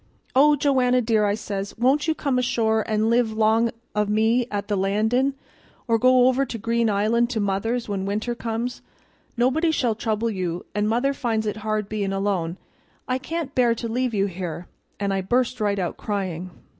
'Oh, Joanna dear,' I says, 'won't you come ashore an' live 'long o' me at the Landin', or go over to Green Island to mother's when winter comes? Nobody shall trouble you an' mother finds it hard bein' alone. I can't bear to leave you here' and I burst right out crying.